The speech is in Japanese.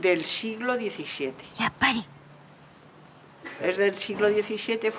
やっぱり。